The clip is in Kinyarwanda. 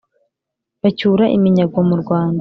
bacyura iminyago mu rwanda.